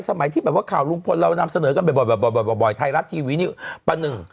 สมัยที่แบบว่าข่าวลุงพลเรานำเสนอกันบ่อยบ่อยไทยรัฐทีวีนี่ประหนึ่ง